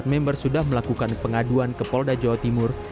satu ratus enam puluh empat member sudah melakukan pengaduan ke polda jawa timur